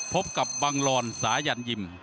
พบกับบังลอนสายันยิม